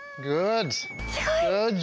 すごい！